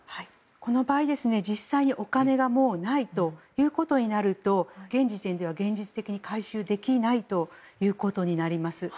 この場合、実際にお金がもうないということになると現時点では現実的に回収できないということになります。